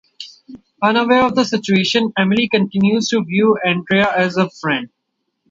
Unaware of the situation, Emily continues to view Andrea as a friend.